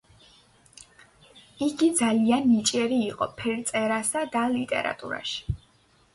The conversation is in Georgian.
იგი ძალიან ნიჭიერი იყო ფერწერასა და ლიტერატურაში.